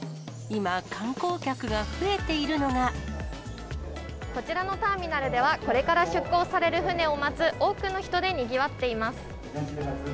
今、こちらのターミナルでは、これから出港される船を待つ多くの人でにぎわっています。